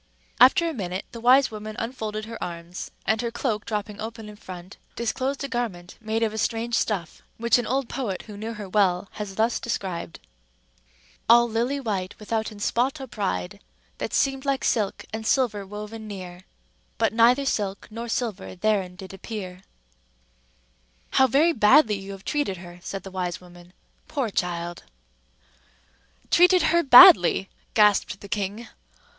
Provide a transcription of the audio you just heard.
After a minute, the wise woman unfolded her arms; and her cloak dropping open in front, disclosed a garment made of a strange stuff, which an old poet who knew her well has thus described:— "All lilly white, withoutten spot or pride, That seemd like silke and silver woven neare; But neither silke nor silver therein did appeare." "How very badly you have treated her!" said the wise woman. "Poor child!" "Treated her badly?" gasped the king.